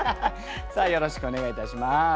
さあよろしくお願いいたします。